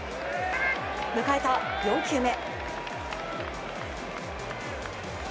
迎えた４球目。